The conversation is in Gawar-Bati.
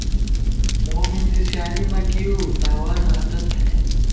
مومِنزِی سیالی مہ کېئیؤ، تاوانہ ہَدَت تھنَئیم